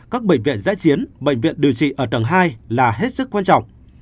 các bệnh viện giãi chiến bệnh viện điều trị ở tầng hai là hết sức quan trọng